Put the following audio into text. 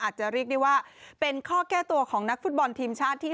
อาจจะเรียกได้ว่าเป็นข้อแก้ตัวของนักฟุตบอลทีมชาติที่